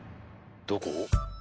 どこ？